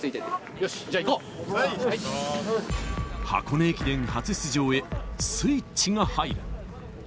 よし、箱根駅伝初出場へスイッチが入る。